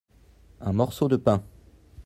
Un morceau de pain.